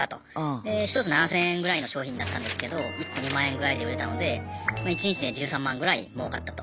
で１つ７，０００円ぐらいの商品だったんですけど１個２万円ぐらいで売れたので１日で１３万ぐらいもうかったと。